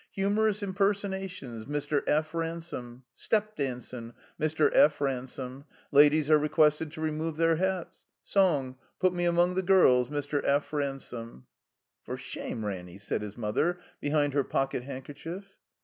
Humorous Impersonations : Mr. P. Ran some. Step Dandn': Mr. P. Ransome. Ladies are requested to remove their hats. Song : Put Me Among the Girls, Mr. P. Ransome —" "Por shame, Ranny," said his mother, behind her pocket handkerchief.